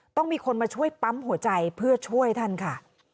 ต้องมีคนมาช่วยปั๊มหัวใจเพื่อช่วยท่านค่ะ